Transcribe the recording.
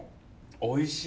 おいしい。